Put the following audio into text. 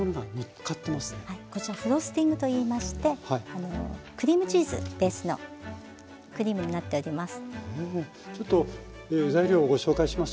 こちらフロスティングといいましてクリームチーズベースのクリームになっております。